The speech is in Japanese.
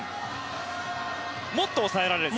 もっと抑えられると。